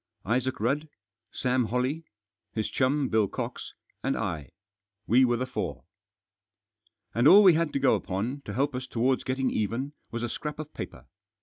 Isaac Rudd, Sam Holley, his chum, Bill Cox, and I ; we were the four. And all we had to go upon, to help us towards getting even, was a scrap of paper.